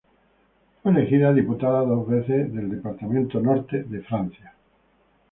Fue elegida diputada dos veces del departamento Norte de Francia.